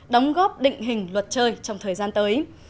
đóng góp định hình luật chơi trong thời gian tới